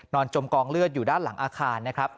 จมกองเลือดอยู่ด้านหลังอาคารนะครับ